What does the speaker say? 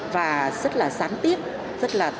và rất là sáng tiếp rất là tốt